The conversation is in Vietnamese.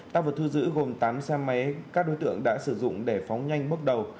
tạo vật thư giữ gồm tám xe máy các đối tượng đã sử dụng để phóng nhanh bốc đầu